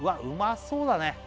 うまそうだね